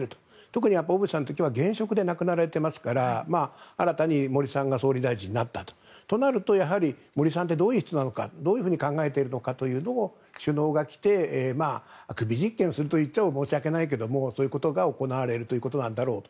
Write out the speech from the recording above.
特に小渕さんの時は現職で亡くなられてますから新たに森さんが総理大臣になったとなると森さんって、どういう人なのかどう考えている人なのか首脳が来て首実検すると申し訳ないけどそういうことが行われるということなんだろう。